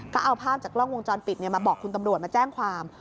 ก็เอาภาพจากกล้องวงจรปิดมาบอกคุณตำรวจมาแจ้งความ